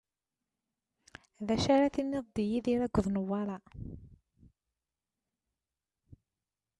D acu ara tiniḍ di Yidir akked Newwara?